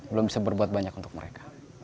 belum bisa berbuat banyak untuk mereka